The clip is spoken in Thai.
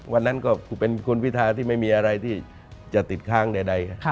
วันนั้นก็เป็นคุณพิทาที่ไม่มีอะไรที่จะติดค้างใด